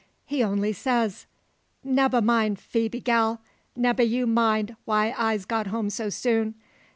He only says: "Nebba mind, Phoebe, gal; nebba you mind why I'se got home so soon.